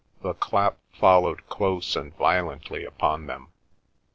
The clap followed close and violently upon them.